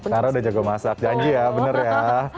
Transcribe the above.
karena udah jago masak janji ya bener ya